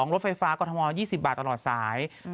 รถไฟฟ้ากรทม๒๐บาทตลอดสาย